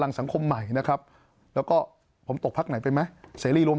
พลังสังคมใหม่นะครับแล้วก็ผมตกภาคไหนไปไหม